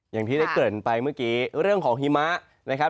อย่างที่ได้เกิดไปเมื่อกี้เรื่องของหิมะนะครับ